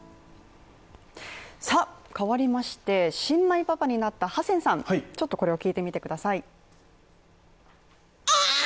変わりまして、新米パパになったハセンさん、これを聞いてみてください。